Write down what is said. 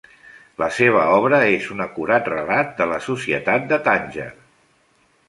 La seva obra és un acurat relat de la societat de Tànger.